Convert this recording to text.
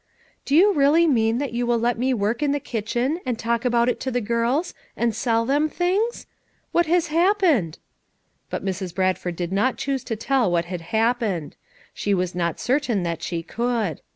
Do you really mean that you will let me work in the kitchen, and talk about it to the girls, and sell them things? What has happened?" But Mrs. Bradford did not choose to tell what had happened; she was not certain that she could.